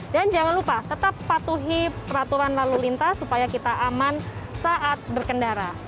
dan jangan lupa tetap patuhi peraturan lalu lintas supaya kita aman saat berkendara